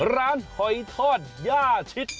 หอยทอดย่าชิด